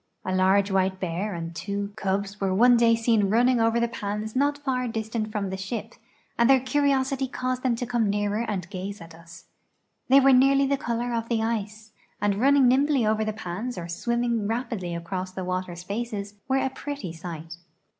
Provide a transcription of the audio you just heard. A large white bear and two 100 A SUMMER VOYAGE TO THE ARCTIC cubs were one day seen running over the pans not fiir distant from the ship, and their curiosity caused them to come nearer and gaze at us. They were nearly the color of the ice and, run ning nimbly over the pans or swimming rapidly across the water spaces, were a prett}^ sight.